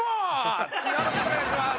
よろしくお願いします！